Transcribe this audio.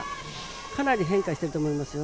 かなり変化していると思いますよ。